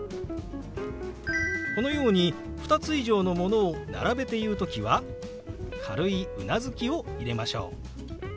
このように２つ以上のものを並べて言う時は軽いうなずきを入れましょう。